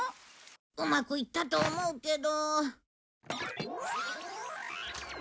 うまくいったと思うけど。